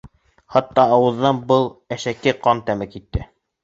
Хатта ауыҙҙан был әшәке ҡан тәме китте.